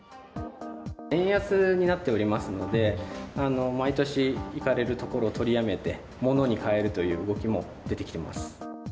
円安になっておりますので、毎年行かれるところ、取りやめて、物にかえるという動きも出てきてます。